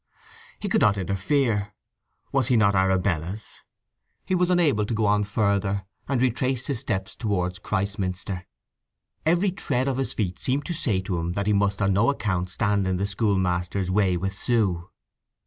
He could not interfere. Was he not Arabella's? He was unable to go on further, and retraced his steps towards Christminster. Every tread of his feet seemed to say to him that he must on no account stand in the schoolmaster's way with Sue.